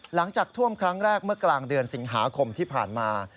หลังจากท่วมครั้งแรกเมื่อกลางเดือนสิงหาคมที่ผ่านมา